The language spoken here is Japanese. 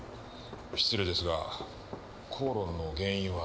失礼ですが口論の原因は？